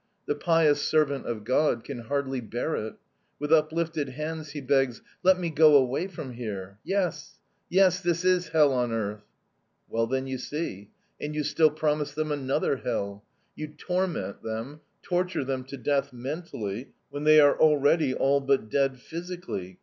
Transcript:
The pious servant of God can hardly bear it. With uplifted hands he begs: 'Let me go away from here. Yes, yes! This is hell on earth!' "'Well, then, you see. And you still promise them another hell. You torment them, torture them to death mentally when they are already all but dead physically!